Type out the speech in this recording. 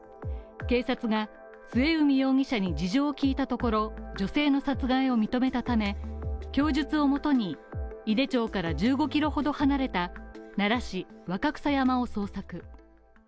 警察が末海容疑者に事情を聴いたところ女性の殺害を認めたため供述をもとに井手町から１５ｋｍほど離れた奈良市若草山を捜索。